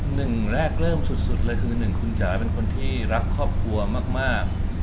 หนึ่งแรกเริ่มสุดเลยคือหนึ่งคุณจ๋าเป็นคนที่รักครอบครัวมาก